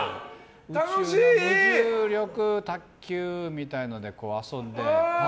楽しい！無重力卓球みたいなので遊んで。